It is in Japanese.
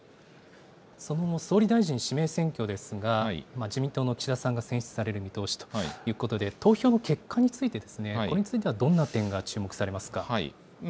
その総理大臣指名選挙ですが、自民党の岸田さんが選出される見通しということで、投票の結果についてですね、これについてはどんな点が注目されますか。